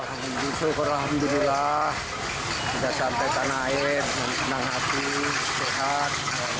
alhamdulillah tidak sampai tanah air senang hati sehat